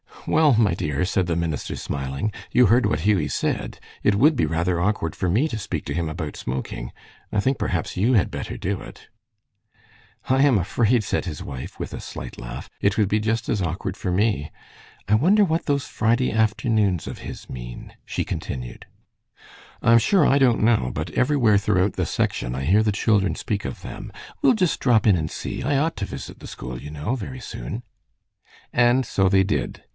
"Well, my dear," said the minister, smiling, "you heard what Hughie said. It would be rather awkward for me to speak to him about smoking. I think, perhaps, you had better do it." "I am afraid," said his wife, with a slight laugh, "it would be just as awkward for me. I wonder what those Friday afternoons of his mean," she continued. "I am sure I don't know, but everywhere throughout the section I hear the children speak of them. We'll just drop in and see. I ought to visit the school, you know, very soon." And so they did.